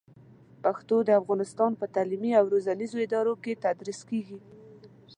پښتو د افغانستان په تعلیمي او روزنیزو ادارو کې تدریس کېږي.